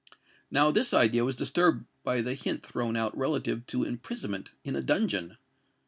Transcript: Now this idea was disturbed by the hint thrown out relative to imprisonment in a dungeon.